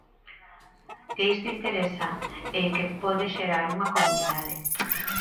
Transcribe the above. Que isto interesa e que pode xerar unha comunidade.